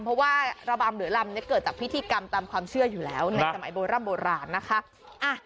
เพราะว่าระบำเหลือลำเนี่ยเกิดจากพิธีกรรมตามความเชื่ออยู่แล้วในสมัยโบร่ำโบราณนะคะ